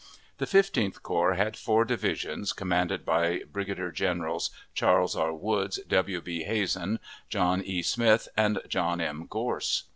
The Fifteenth Corps had four divisions, commanded by Brigadier Generals Charles R. Woods, W. B. Hazen, John E. Smith, and John M. Gorse.